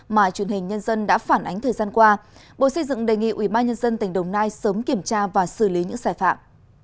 mà truyền hình nhân dân đã phản ánh thời gian qua bộ xây dựng đề nghị ubnd tỉnh đồng nai sớm kiểm tra và xử lý những sai phạm